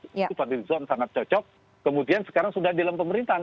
itu pada di zon sangat cocok kemudian sekarang sudah di dalam pemerintahan